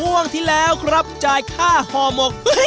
ช่วงที่แล้วครับจ่ายค่าห่อหมก